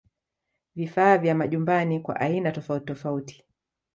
Vifaa vya majumbani kwa aina tofauti tofauti